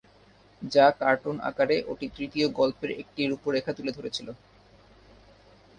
যা কার্টুন আকারে ওটি তৃতীয় গল্পের একটি রূপরেখা তুলে ধরেছিল।